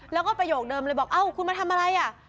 แล้วก็ประโยคเดิมเลยบอกเอ้าคุณมาทำอะไรอ่ะ